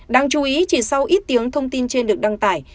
đáng chú ý chỉ sau ít tiếng thông tin trên được đăng tải